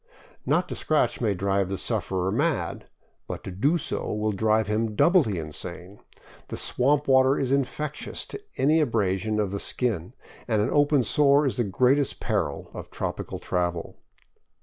Not to scratch may drive the sufferer mad, but to do so will drive him doubly insane; and swamp water is infectious to any abrasion of the skin, and an open sore is the greatest peril of tropical travel.